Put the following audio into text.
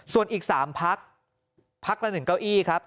ส่วนอีก๓พักพักละ๑เก้าอี้ครับ